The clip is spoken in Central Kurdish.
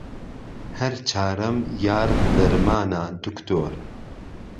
هەر چارەم، یار، دەرمانە، دوکتۆر